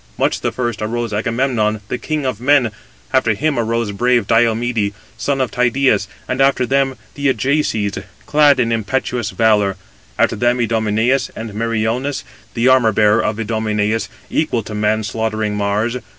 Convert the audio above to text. Much the first arose Agamemnon, the king of men; after him arose brave Diomede, son of Tydeus, and after them the Ajaces, clad in impetuous valour: after them Idomeneus, and Meriones, the armour bearer of Idomeneus, equal to man slaughtering Mars.